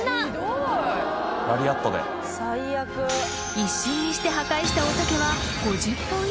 ［一瞬にして破壊したお酒は５０本以上］